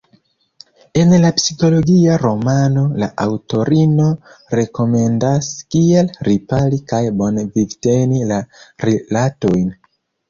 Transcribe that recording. En la psikologia romano la aŭtorino rekomendas kiel ripari kaj bone vivteni la rilatojn.